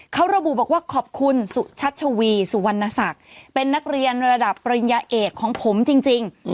เขาระบุบอกว่าขอบคุณสุชัชวีสุวรรณศักดิ์เป็นนักเรียนระดับปริญญาเอกของผมจริง